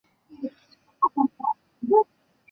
细圆藤为防己科细圆藤属下的一个种。